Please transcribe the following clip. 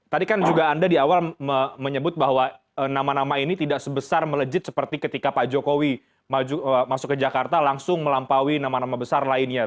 tadi kan juga anda di awal menyebut bahwa nama nama ini tidak sebesar melejit seperti ketika pak jokowi masuk ke jakarta langsung melampaui nama nama besar lainnya